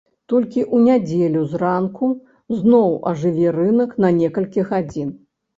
Толькі ў нядзелю з ранку зноў ажыве рынак на некалькі гадзін.